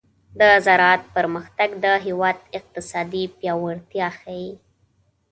د زراعت پرمختګ د هېواد اقتصادي پیاوړتیا ښيي.